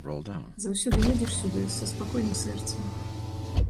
Заўсёды едзеш сюды са спакойным сэрцам.